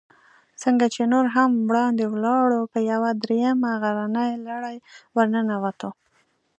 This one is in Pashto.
څنګه چې نور هم وړاندې ولاړو، په یوه درېیمه غرنۍ لړۍ ورننوتو.